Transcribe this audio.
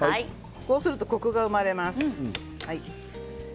こうするとコクが生まれます。